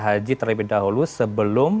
haji terlebih dahulu sebelum